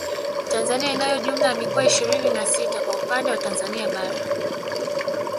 Tanzania inayo jumla ya mikoa ishirini na sita kwa upande wa Tanzania bara